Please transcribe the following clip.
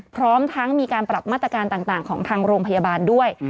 พร้อมทั้งมีการปรับมาตรการต่างของทางโรงพยาบาลด้วย